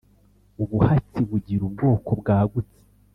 ubuhatsi bugira ubwoko bwagutse